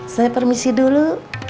saya permisi dulu